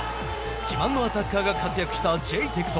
自慢のアタッカーが活躍したジェイテクト。